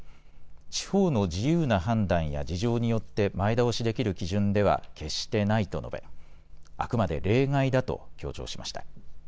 地方の自由な判断や事情によって前倒しできる基準では決してないと述べあくまで例外だと強調しました。